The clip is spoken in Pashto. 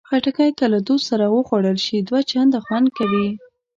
خټکی که له دوست سره وخوړل شي، دوه چنده خوند کوي.